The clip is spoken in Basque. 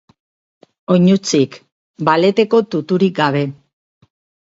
Oinutsik, baleteko tuturik gabe.